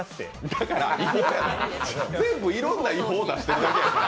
だから違法、全部いろんな違法出してるだけや。